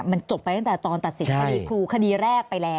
มันจบไปตั้งแต่ตอนตัดสินคดีครูคดีแรกไปแล้ว